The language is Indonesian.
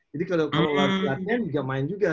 jadi kalau lagi tanding gak main juga